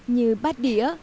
như bát đĩa